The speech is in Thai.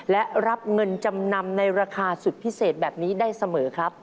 และรับเงินจำนำในราคาสุดพิเศษแบบนี้ได้เสมอครับ